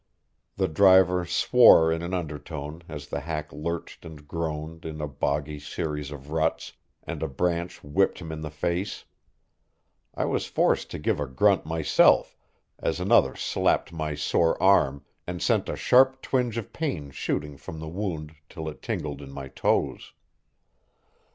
The driver swore in an undertone as the hack lurched and groaned in a boggy series of ruts, and a branch whipped him in the face. I was forced to give a grunt myself, as another slapped my sore arm and sent a sharp twinge of pain shooting from the wound till it tingled in my toes.